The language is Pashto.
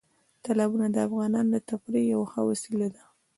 تالابونه د افغانانو د تفریح یوه ښه وسیله ده.